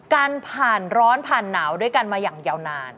การผ่านร้อนผ่านหนาวด้วยกันมาอย่างยาวนาน